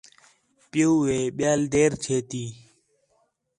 پِیؤُ ہے ٻِیال دیر چھے تی